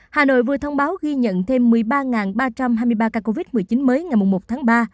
hà nội vừa thông báo ghi nhận thêm một mươi ba ba trăm hai mươi ba ca covid một mươi chín mới ngày một tháng ba